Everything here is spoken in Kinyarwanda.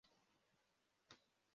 Umwana arimo gukina na siporo